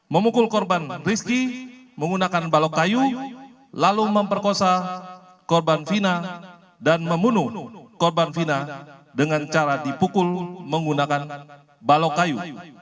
memukul korban rizky menggunakan balok kayu lalu memperkosa korban fina dan membunuh korban fina dengan cara dipukul menggunakan balok kayu